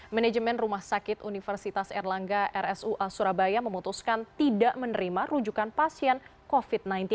manajemen rumah sakit universitas erlangga rsua surabaya memutuskan tidak menerima rujukan pasien covid sembilan belas